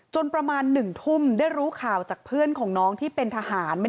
ประมาณ๑ทุ่มได้รู้ข่าวจากเพื่อนของน้องที่เป็นทหาร